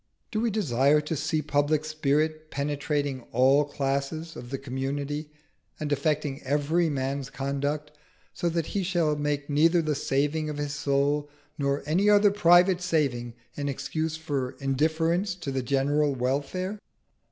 Do we desire to see public spirit penetrating all classes of the community and affecting every man's conduct, so that he shall make neither the saving of his soul nor any other private saving an excuse for indifference to the general welfare?